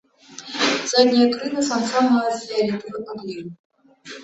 Заднія крылы самца маюць фіялетавы адліў.